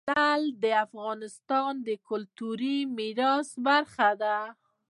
لعل د افغانستان د کلتوري میراث برخه ده.